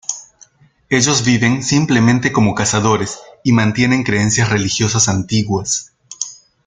Ellos viven simplemente como cazadores y mantienen creencias religiosas antiguas.